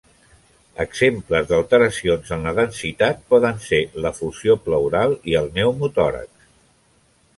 Exemples d'alteracions en la densitat poden ser l'efusió pleural i el pneumotòrax.